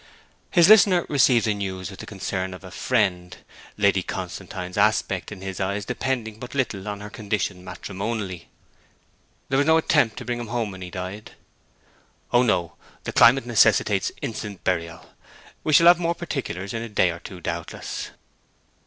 His listener received the news with the concern of a friend, Lady Constantine's aspect in his eyes depending but little on her condition matrimonially. 'There was no attempt to bring him home when he died?' 'O no. The climate necessitates instant burial. We shall have more particulars in a day or two, doubtless.'